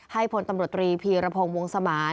พลตำรวจตรีพีรพงศ์วงสมาน